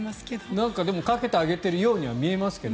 なんかでもかけてあげているようには見えますけど。